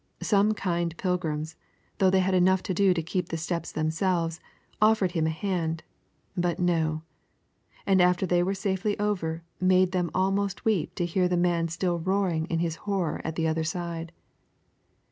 Some kind Pilgrims, though they had enough to do to keep the steps themselves, offered him a hand; but no. And after they were safely over it made them almost weep to hear the man still roaring in his horror at the other side.